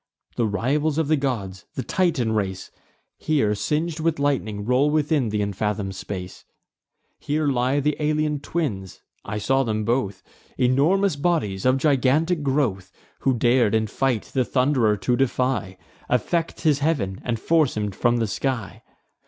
The rivals of the gods, the Titan race, Here, sing'd with lightning, roll within th' unfathom'd space. Here lie th' Alaean twins, (I saw them both,) Enormous bodies, of gigantic growth, Who dar'd in fight the Thund'rer to defy, Affect his heav'n, and force him from the sky.